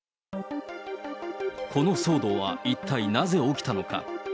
この騒動は一体なぜ起きたのか。